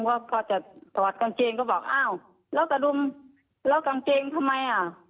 พอจะถอดกางเกงก็บอกอ้าวแล้วกระดุมแล้วกางเกงทำไมอ่ะ